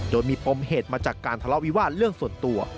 โดยมีปมเหตุมาจากการทะเลาะวิวาสเรื่องส่วนตัว